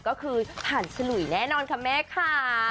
ก็คือผ่านสลุยแน่นอนค่ะแม่ค่ะ